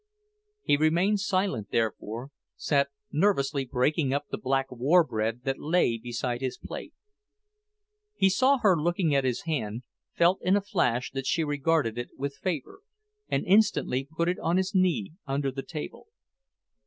He remained silent, therefore, sat nervously breaking up the black war bread that lay beside his plate. He saw her looking at his hand, felt in a flash that she regarded it with favour, and instantly put it on his knee, under the table.